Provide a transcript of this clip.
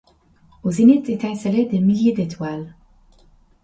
Au zénith étincelaient des milliers d’étoiles.